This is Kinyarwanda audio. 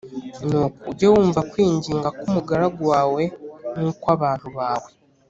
nuko ujye wumva kwinginga k’umugaragu wawe n’ukw’abantu bawe